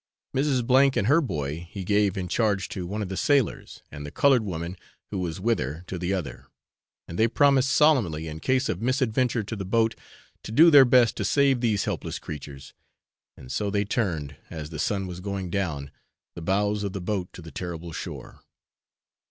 Mrs. F and her boy he gave in charge to one of the sailors, and the coloured woman who was with her to the other; and they promised solemnly, in case of misadventure to the boat, to do their best to save these helpless creatures; and so they turned, as the sun was going down, the bows of the boat to the terrible shore.